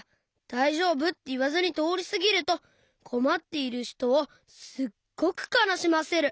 「だいじょうぶ？」っていわずにとおりすぎるとこまっているひとをすっごくかなしませる。